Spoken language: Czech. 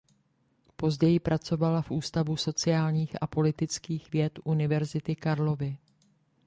Později pracovala v Ústavu sociálních a politických věd Univerzity Karlovy.